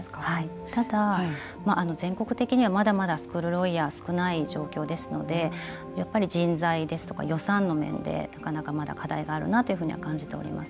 ただ、全国的にはまだまだスクールロイヤー少ない状況ですのでやっぱり人材ですとか予算の面でなかなか、まだ課題があるなというふうには感じています。